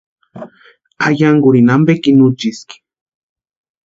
Ayankurini ampekini úchiski.